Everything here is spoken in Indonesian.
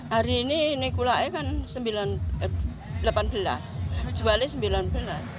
hari ini kulanya rp delapan belas jualnya rp sembilan belas